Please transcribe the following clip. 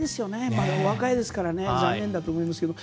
まだお若いですから残念だと思いますけど。